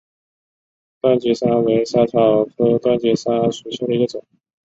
断节莎为莎草科断节莎属下的一个种。